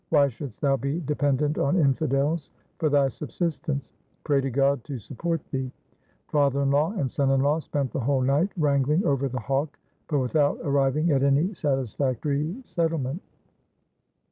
Why shouldst thou be dependent on infidels for thy subsistence ? Pray to God to support thee.' Father in law and son in law spent the whole night wrangling over the hawk, but without arriving at any satisfactory settlement.